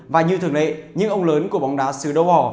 và như thường lệ những ông lớn của bóng đá sứ đấu bỏ